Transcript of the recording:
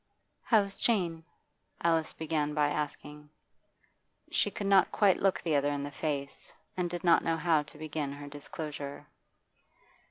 'How's Jane?' Alice began by asking. She could not quite look the other in the face, and did not know how to begin her disclosure.